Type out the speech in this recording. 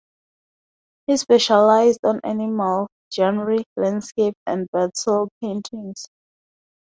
He specialised on animal, genre, landscape and battle paintings.